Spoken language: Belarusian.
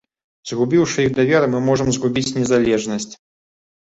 Згубіўшы іх давер, мы можам згубіць незалежнасць.